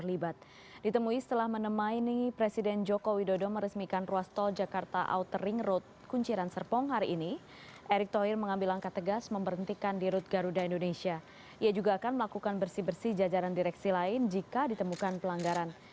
ia juga akan melakukan bersih bersih jajaran direksi lain jika ditemukan pelanggaran